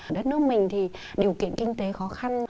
ở đất nước mình thì điều kiện kinh tế khó khăn